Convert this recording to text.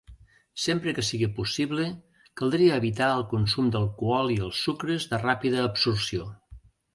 Sempre que sigui possible caldria evitar el consum d'alcohol i els sucres de ràpida absorció.